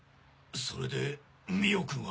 それで美緒君は。